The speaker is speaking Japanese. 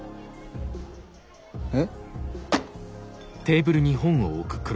え？